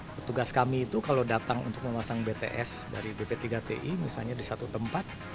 petugas kami itu kalau datang untuk memasang bts dari bp tiga ti misalnya di satu tempat